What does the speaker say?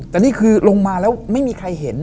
แต่นี่คือลงมาแล้วไม่มีใครเห็น